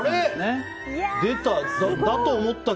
出た！